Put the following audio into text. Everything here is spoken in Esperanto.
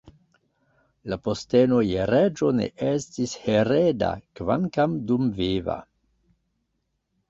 La posteno je reĝo ne estis hereda, kvankam dumviva.